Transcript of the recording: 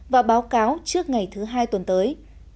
và báo cáo trước ngày thứ hai tuần tới